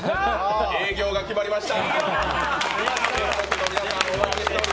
営業が決まりました！